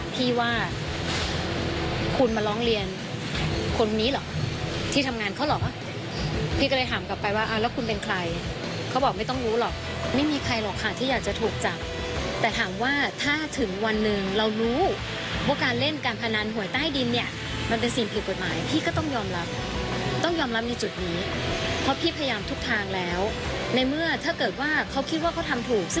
พี่ว่าคุณมาร้องเรียนคนนี้เหรอที่ทำงานเขาเหรอพี่ก็เลยถามกลับไปว่าแล้วคุณเป็นใครเขาบอกไม่ต้องรู้หรอกไม่มีใครหรอกค่ะที่อยากจะถูกจับแต่ถามว่าถ้าถึงวันหนึ่งเรารู้ว่าการเล่นการพนันหวยใต้ดินเนี่ยมันเป็นสิ่งผิดกฎหมายพี่ก็ต้องยอมรับต้องยอมรับในจุดนี้เพราะพี่พยายามทุกทางแล้วในเมื่อถ้าเกิดว่าเขาคิดว่าเขาทำถูก